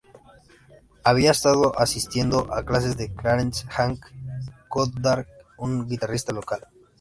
Había estado asistiendo a clases con Clarence "Hank" Goddard, un guitarrista local.